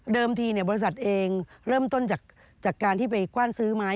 ทีบริษัทเองเริ่มต้นจากการที่ไปกว้านซื้อไม้